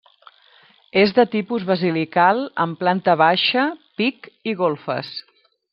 És de tipus basilical amb planta baixa, pic i golfes.